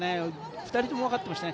２人ともわかってましたね